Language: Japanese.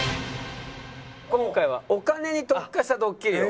今回はお金に特化したドッキリを。